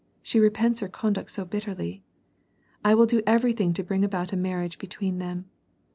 She repents her conduct so bitterly. I will do everytliing to bring about a marriage between them.